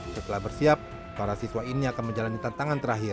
setelah bersiap para siswa ini akan menjalani tantangan terakhir